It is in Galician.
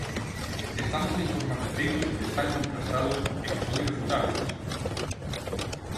Estamos a informar de feitos que están contrastados e que son irrefutábeis.